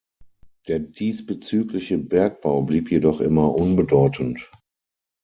Der diesbezügliche Bergbau blieb jedoch immer unbedeutend.